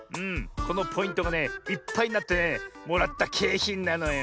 このポイントがねいっぱいになってねもらったけいひんなのよ。